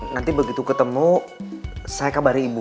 nanti begitu ketemu saya kabari ibu